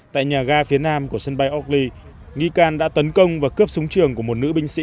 tại nhà ga phía nam của sân bay okly nghi can đã tấn công và cướp súng trường của một nữ binh sĩ